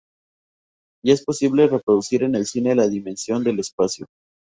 Ya es posible reproducir en el cine la dimensión del espacio.